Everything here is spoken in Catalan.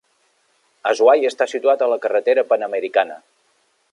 Azuay està situat a la Carretera Panamericana.